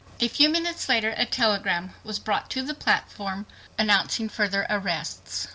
A few minutes later a telegram was brought to the platform announcing further arrests.